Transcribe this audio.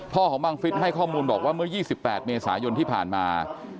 ของบังฟิศให้ข้อมูลบอกว่าเมื่อ๒๘เมษายนที่ผ่านมา